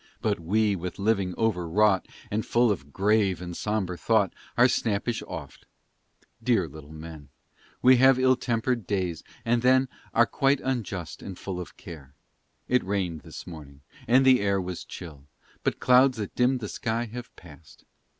But we with living overwrought, And full of grave and sombre thought, Are snappish oft: dear little men, We have ill tempered days, and then, Are quite unjust and full of care; It rained this morning and the air Was chill; but clouds that dimm'd the sky Have passed.